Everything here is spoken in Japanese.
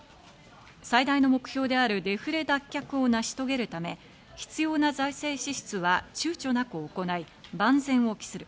最大の目標であるデフレ脱却を成し遂げるため、必要な財政支出は躊躇なく行い万全を期する。